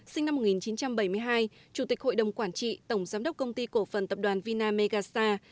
sinh năm một nghìn chín trăm bảy mươi hai chủ tịch hội đồng quản trị tổng giám đốc công ty cổ phần tập đoàn vina megastar